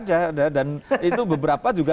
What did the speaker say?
cahaya dan itu beberapa juga